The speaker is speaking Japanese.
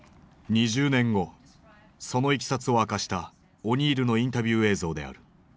２０年後そのいきさつを明かしたオニールのインタビュー映像である。